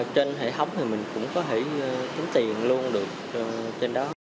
trên hệ thống thì mình cũng có thể tính tiền luôn được trên đó